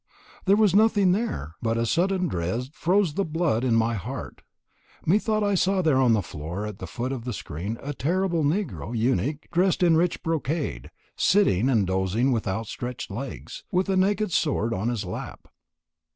There was nothing there, but a sudden dread froze the blood in my heart methought I saw there on the floor at the foot of the screen a terrible negro eunuch dressed in rich brocade, sitting and dozing with outstretched legs, with a naked sword on his lap.